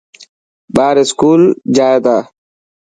ٻار اسڪول جائي تا.